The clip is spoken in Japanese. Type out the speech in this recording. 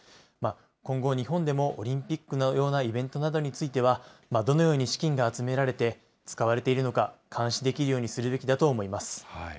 今後、日本でもオリンピックのようなイベントなどについては、どのように資金が集められて使われているのか、監視できるようにするべきだと思います。